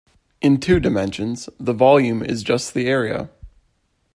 In two dimensions, the volume is just the area.